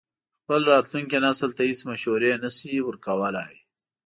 خپل راتلونکي نسل ته هېڅ مشورې نه شي ورکولای.